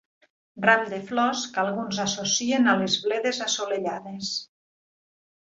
Ram de flors que alguns associen a les bledes assolellades.